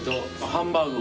ハンバーグ。